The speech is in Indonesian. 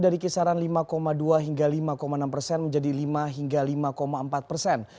dari kisaran lima dua hingga lima enam persen menjadi lima hingga lima empat persen